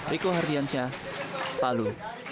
riko hardianca palu